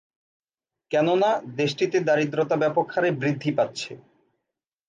কেননা দেশটিতে দারিদ্রতা ব্যাপকহারে বৃদ্ধি পাচ্ছে।